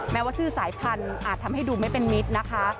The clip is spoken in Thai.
ว่าชื่อสายพันธุ์อาจทำให้ดูไม่เป็นมิตรนะคะ